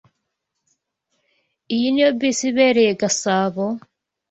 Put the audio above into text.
Iyi niyo bisi ibereye Gasabo?